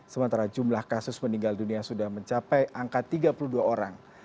sementara jumlah kasus meninggal dunia sudah mencapai angka tiga puluh dua orang